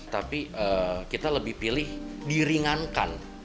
tapi kita lebih pilih diringankan